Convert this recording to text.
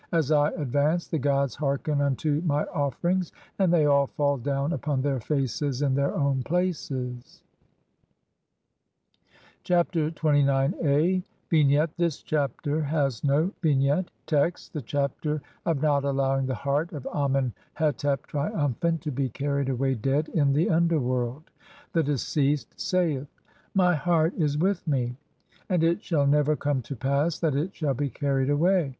(3) [As I] "advance, the gods hearken unto my offerings, and they all fall "down upon their faces in their own places." Chapter XXIX a. [From the Papyrus of Amen hetep (Naville, Todtenbuch, Bd. 1. Bl. 40).] Vignette : This Chapter has no vignette. Text : (1) The Chapter of not allowing the heart of Amen hetep, triumphant, to be carried away dead in the UNDERWORLD. The deceased saith :— "My heart is with me, (2) and it shall never come to pass "that it shall be carried away.